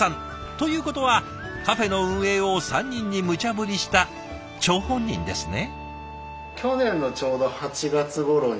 ということはカフェの運営を３人にむちゃぶりした張本人ですね？